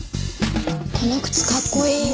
この靴かっこいい。